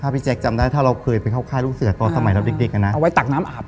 พี่แจ๊คจำได้ถ้าเราเคยไปเข้าค่ายลูกเสือตอนสมัยเราเด็กเอาไว้ตักน้ำอาบ